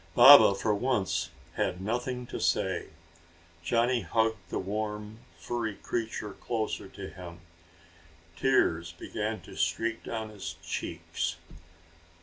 Baba, for once, had nothing to say. Johnny hugged the warm, furry creature closer to him. Tears began to streak down his cheeks.